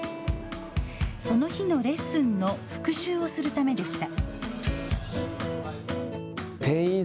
その日のレッスンの復習をするためでした。